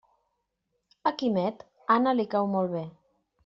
A Quimet, Anna li cau molt bé.